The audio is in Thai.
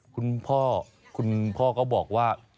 คุณพ่อคุณพ่อก็บอกว่า